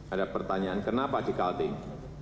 ada pertanyaan kenapa di kalting